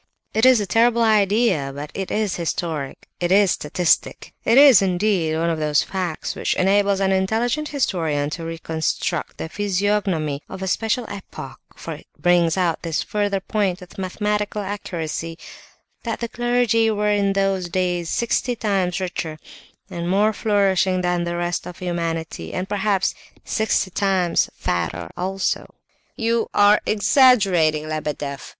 It is a terrible idea, but it is historic, it is statistic; it is indeed one of those facts which enables an intelligent historian to reconstruct the physiognomy of a special epoch, for it brings out this further point with mathematical accuracy, that the clergy were in those days sixty times richer and more flourishing than the rest of humanity and perhaps sixty times fatter also..." "You are exaggerating, you are exaggerating, Lebedeff!"